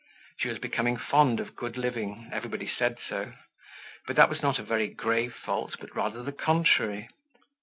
She was becoming fond of good living, everybody said so; but that was not a very grave fault, but rather the contrary.